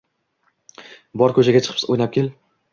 Bor, ko‘chaga chiqib o‘ynab kel